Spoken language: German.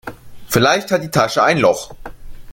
Vielleicht hat die Tasche ein Loch.